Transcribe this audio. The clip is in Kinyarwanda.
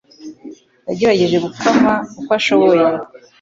Yagerageje gukama uko ashoboye.